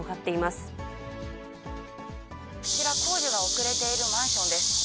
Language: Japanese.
こちら、工事が遅れているマンションです。